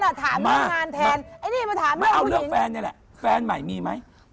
นั้นน่ะถามบางงานแทนอันนี้มาถามไม่เอาเหรอแฟ่นนี่แหละแฟนใหม่มีมั้ย